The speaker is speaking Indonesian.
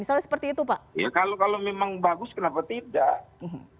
kalau memang bagus kenapa tidak